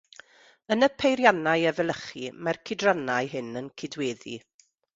Yn y peiriannu efelychu mae'r cydrannau hyn yn cydweddu.